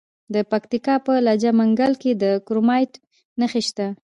د پکتیا په لجه منګل کې د کرومایټ نښې شته.